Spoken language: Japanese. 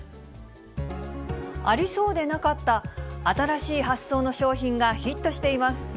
ありそうでなかった新しい発想の商品がヒットしています。